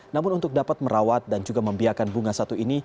namun untuk dapat merawat dan juga membiarkan bunga satu ini